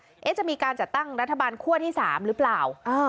ว่าเอ๊ะจะมีการจัดตั้งรัฐบาลคั่วที่สามหรือเปล่าอ่า